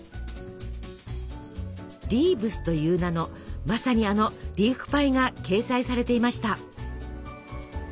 「リーブス」という名のまさにあのリーフパイが掲載されていました。